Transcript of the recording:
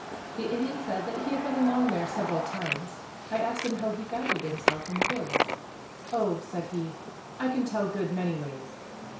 The Indian said that he had been along there several times. I asked him how he guided himself in the woods. "Oh," said he, "I can tell good many ways."